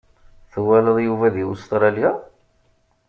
Twalaḍ Yuba di Ustralya?